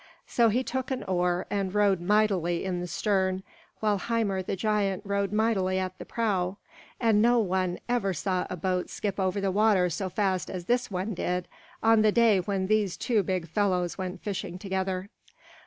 So he took an oar and rowed mightily in the stern, while Hymir the giant rowed mightily at the prow; and no one ever saw boat skip over the water so fast as this one did on the day when these two big fellows went fishing together.